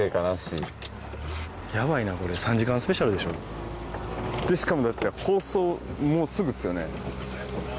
やばいなこれ、３時間スペシしかもだって、放送、もうすぐっすよね。